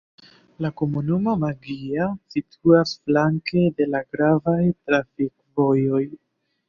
La komunumo Maggia situas flanke de la gravaj trafikvojoj.